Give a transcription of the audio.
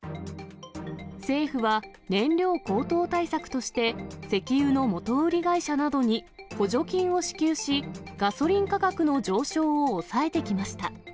政府は、燃料高騰対策として石油の元売り会社などに補助金を支給し、ガソリン価格の上昇を抑えてきました。